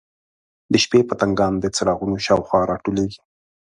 د شپې پتنګان د څراغونو شاوخوا راټولیږي.